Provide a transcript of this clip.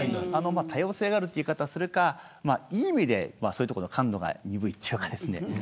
多様性があるという言い方をするかいい意味で、そういうところの感度が鈍いというか。